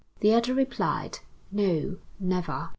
The other replied: "No, never."